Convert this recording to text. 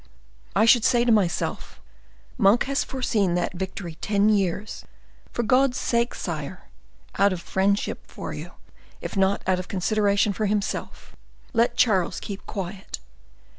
I should say to myself, Monk has foreseen that victory ten years. For God's sake, sire, out of friendship for you, if not out of consideration for himself, let Charles II. keep quiet.